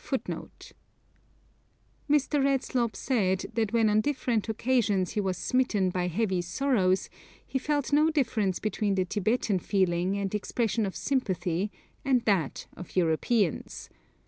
Mr. Redslob said that when on different occasions he was smitten by heavy sorrows, he felt no difference between the Tibetan feeling and expression of sympathy and that of Europeans.